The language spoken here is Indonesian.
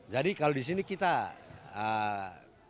jadi kalau di sini kita bisa melihatnya